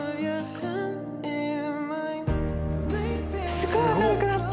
すごい明るくなった。